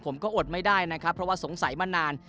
ผมก็อดไม่ได้นะคะเพราะว่าสงสัยมานาน